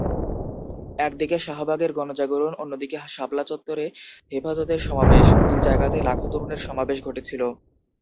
একদিকে শাহবাগের গণজাগরণ, অন্যদিকে শাপলা চত্বরে হেফাজতের সমাবেশ—দুই জায়গাতেই লাখো তরুণের সমাবেশ ঘটেছিল।